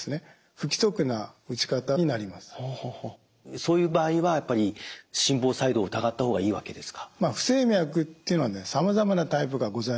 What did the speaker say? そういう場合はやっぱり心房細動を疑った方がいいわけですか？